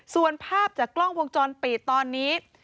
ส่วนภาพจากกล้องวงจรปิดตอนนี้